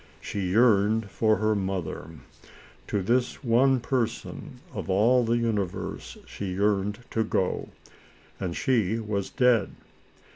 She yearned for her mother. To this one person of all the universe she yearned to go ; and she was dead.